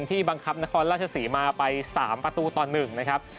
ที่บังคับนครราชศรีมาไป๓ประตูต่อ๑นะครับ